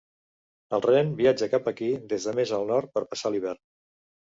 El ren viatja cap aquí des de més al nord per passar l'hivern.